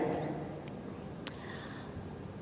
ternyata bukan karena saya putrinya